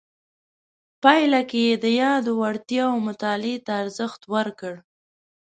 پایله کې یې د یادو وړتیاو مطالعې ته ارزښت ورکړ.